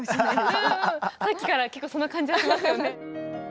うんうんさっきから結構その感じはしますよね。